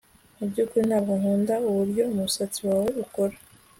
Mubyukuri ntabwo nkunda uburyo umusatsi wawe ukora